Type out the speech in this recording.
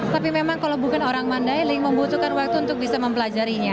tapi memang kalau bukan orang mandailing membutuhkan waktu untuk bisa mempelajarinya